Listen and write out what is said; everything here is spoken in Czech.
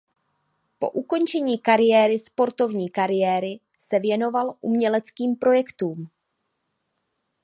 Po ukončení kariéry sportovní kariéry se věnoval uměleckým projektům.